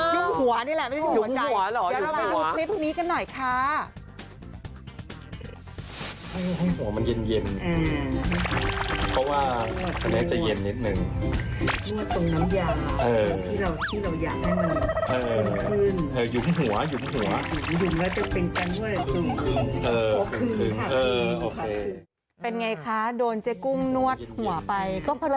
ยุ่มหัวนี่แหละไม่ใช่ยุ่มหัวใจ